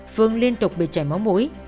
phương liên tục bị chảy máu mũi